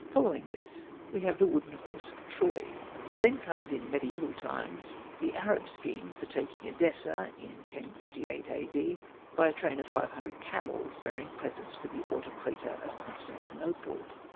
Following this we have the wooden horse of Troy. Then comes in mediaeval Hosted by Google REMARKS 9 times the Arab scheme for taking Edessa, in 1038 A.D., by a train of five hundred camels bearing presents for the Autokrator at Constantinople.